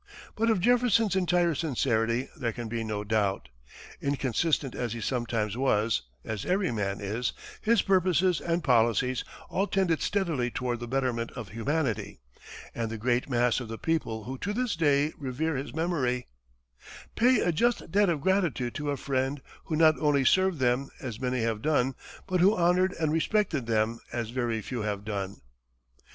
But of Jefferson's entire sincerity there can be no doubt. Inconsistent as he sometimes was as every man is his purposes and policies all tended steadily toward the betterment of humanity; and the great mass of the people who to this day revere his memory, "pay a just debt of gratitude to a friend who not only served them, as many have done, but who honored and respected them, as very few have done."